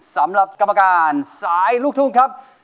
สำหรับกรรมการสายลูกทุ่งครับ